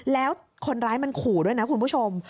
แล้วคนร้ายมันขู่ด้วยนะคุณผู้ชม